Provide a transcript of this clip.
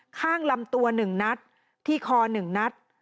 ข้างลำตัว๑นัดที่คอ๑นัด